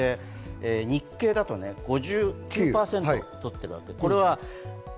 日経だと５９％取ってるわけです。